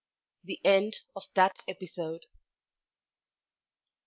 THE END OF THAT EPISODE.